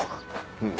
うん。